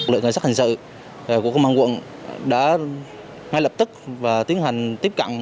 đội cảnh sát hình sự của công an quận đã ngay lập tức tiến hành tiếp cận